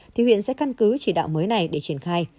thì huyện sẽ căn cứ chỉ đạo mới này để triển khai